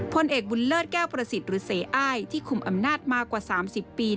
พลเอกบุญเลิศแก้วประสิทธิ์หรือเสอ้ายที่คุมอำนาจมากกว่า๓๐ปี